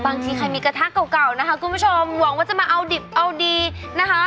บางทีใครมีกระทะเก่าเก่านะคะคุณผู้ชมหวังว่าจะมาเอาดิบเอาดีนะคะ